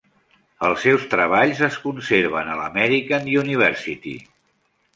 Els seus treballs es conserven a l'American University.